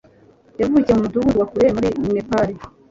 Yavukiye mu mudugudu wa kure muri Nepal.